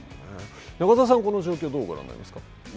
中澤さん、この状況はどうご覧になりますか。